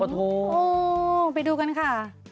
โอ้โหไปดูกันค่ะ